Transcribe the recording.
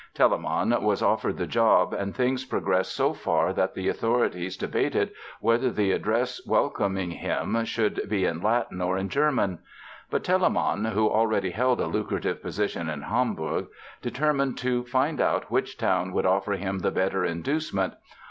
Telemann was offered the job and things progressed so far that the authorities debated whether the address welcoming him should be in Latin or in German. But Telemann, who already held a lucrative position in Hamburg, determined to find out which town would offer him the better inducement.